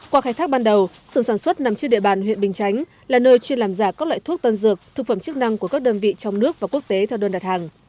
qua khai thác ban đầu sườn sản xuất nằm trên địa bàn huyện bình chánh là nơi chuyên làm giả các loại thuốc tân dược thực phẩm chức năng của các đơn vị trong nước và quốc tế theo đơn đặt hàng